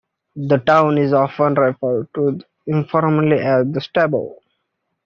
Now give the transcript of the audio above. The town is often referred to informally as "Stabbo".